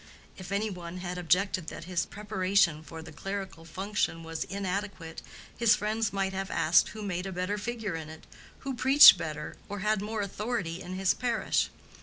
If any one had objected that his preparation for the clerical function was inadequate, his friends might have asked who made a better figure in it, who preached better or had more authority in his parish?